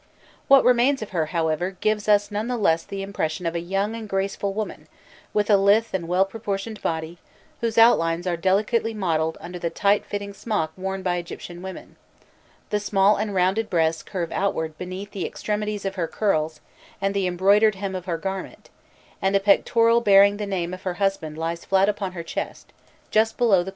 What remains of her, however, gives us none the less the impression of a young and graceful woman, with a lithe and well proportioned body, whose outlines are delicately modelled under the tight fitting smock worn by Egyptian women; the small and rounded breasts curve outward between the extremities of her curls and the embroidered hem of her garment; and a pectoral bearing the name of her husband lies flat upon her chest, just below the column of her throat.